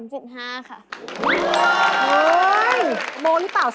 ม้วนหรือเปล่า๓๕